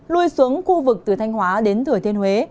lui xuống khu vực từ thanh hóa đến thừa thiên huế